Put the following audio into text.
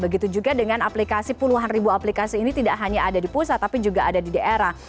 begitu juga dengan aplikasi puluhan ribu aplikasi ini tidak hanya ada di pusat tapi juga ada di daerah